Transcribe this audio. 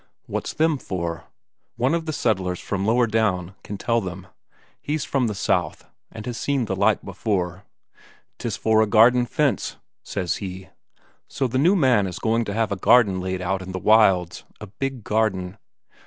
What's them for? One of the settlers from lower down can tell them; he's from the south, and has seen the life before. "'Tis for a garden fence," says he. So the new man is going to have a garden laid out in the wilds a big garden.